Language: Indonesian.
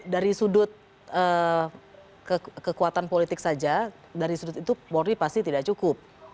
dari sudut kekuatan politik saja dari sudut itu polri pasti tidak cukup